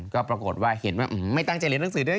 ก็ปรากฏว่าเห็นว่าไม่ตั้งใจเรียนหนังสือด้วย